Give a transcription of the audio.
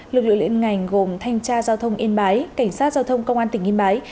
lực lượng liên ngành gồm thanh tra giao thông yên bái cảnh sát giao thông công an tỉnh yên bái